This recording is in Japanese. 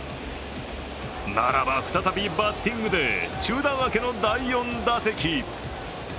ならば、再びバッティングで中断明けの第４打席。